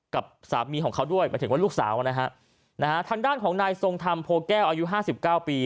กับสามีของเขาด้วยหมายถึงว่าลูกสาวนะฮะนะฮะทางด้านของนายทรงธรรมโพแก้วอายุห้าสิบเก้าปี